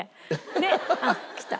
であっ来た。